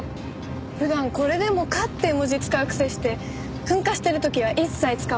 普段これでもかって絵文字使うくせして噴火してる時は一切使わないの。